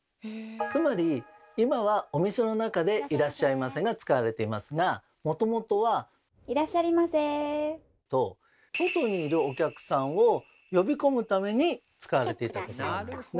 つまり今はお店の中で「いらっしゃいませ」が使われていますがもともとは。と外にいるお客さんを呼び込むために使われていた言葉なんですね。